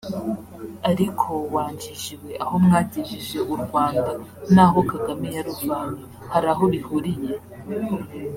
"Ariko wa njiji we aho mwagejeje u Rwanda n’aho Kagame yaruvanye hari aho bihuriye